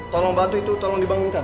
tolong bantu itu tolong dibangunkan